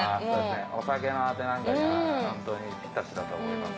お酒のあてなんかには本当にぴったしだと思います。